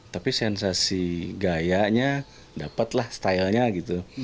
tapi sensasi gayanya dapatlah stylenya gitu